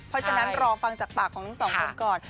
เพราะฉะนั้นรอฟังจากปากของทั้งสองคนก่อน